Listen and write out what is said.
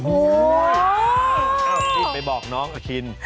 อ่ะสิไปบอกน้องอคิณ